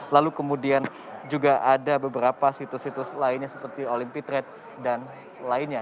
lalu kemudian juga ada beberapa situs situs lainnya seperti olympitrade dan lainnya